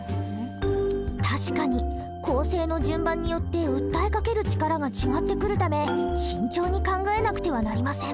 確かに構成の順番によって訴えかける力が違ってくるため慎重に考えなくてはなりません。